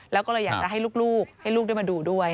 แล้วก็เลยอยากจะให้ลูกให้ลูกได้มาดูด้วย